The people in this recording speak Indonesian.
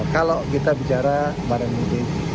kalau kita bicara barang mudik